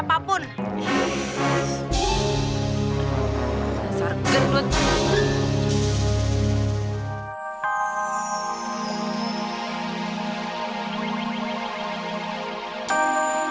ya neng dicual ya neng